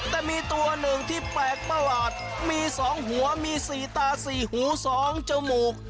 แต่มีตัวหนึ่งที่แปลกประหลาดมี๒หัวมี๔ตา๔หู๒จมูก